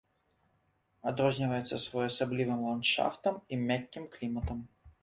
Адрозніваецца своеасаблівым ландшафтам і мяккім кліматам.